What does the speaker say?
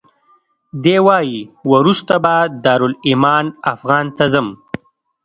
دی وایي وروسته به دارالایمان افغان ته ځم.